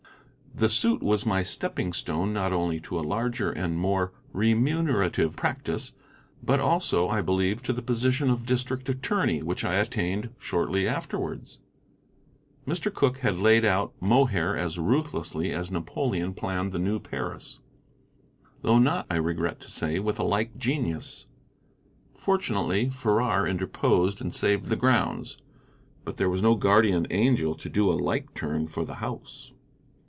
The suit was my stepping stone not only to a larger and more remunerative practice, but also, I believe, to the position of district attorney, which I attained shortly afterwards. Mr. Cooke had laid out Mohair as ruthlessly as Napoleon planned the new Paris; though not, I regret to say, with a like genius. Fortunately Farrar interposed and saved the grounds, but there was no guardian angel to do a like turn for the house.